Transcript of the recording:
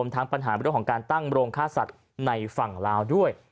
ทั้งปัญหาเรื่องของการตั้งโรงฆ่าสัตว์ในฝั่งลาวด้วย